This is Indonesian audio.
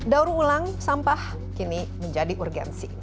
daur ulang sampah kini menjadi urgensi